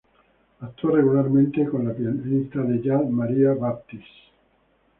Actúa regularmente con la pianista de jazz Maria Baptist.